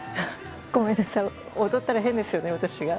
ごめんなさい踊ったら変ですよね、私が。